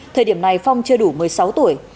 thời điểm này phong chưa đủ một mươi sáu tuổi